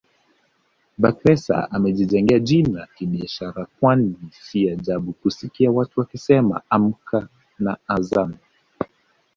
Bakhresa amejijengea jina kibiashara kwani si ajabu kusikia watu wakisema Amka na Azam